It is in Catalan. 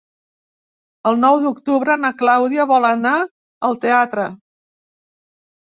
El nou d'octubre na Clàudia vol anar al teatre.